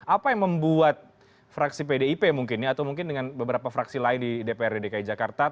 apa yang membuat fraksi pdip mungkin ya atau mungkin dengan beberapa fraksi lain di dprd dki jakarta